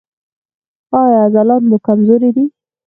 ایا عضلات مو کمزوري دي؟